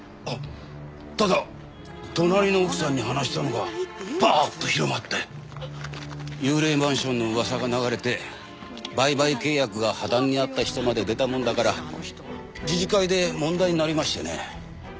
ただ隣の奥さんに話したのがぱーっと広まって幽霊マンションの噂が流れて売買契約が破談になった人まで出たもんだから自治会で問題になりましてね。